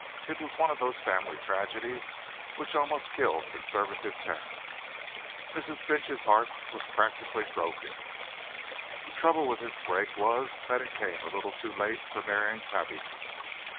It was one of those family tragedies which almost kill conservative parents. Mrs. Finch's heart was practically broken. The trouble with this break was that it came a little too late for Miriam's happiness.